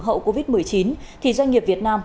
hậu covid một mươi chín thì doanh nghiệp việt nam